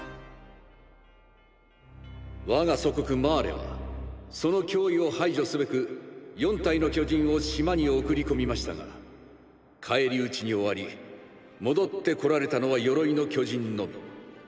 我が祖国マーレはその脅威を排除すべく４体の巨人を島に送り込みましたが返り討ちに終わり戻ってこられたのは「鎧の巨人」のみ。